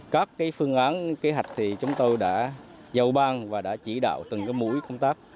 các phương án kế hạch thì chúng tôi đã dầu ban và đã chỉ đạo từng mũi công tác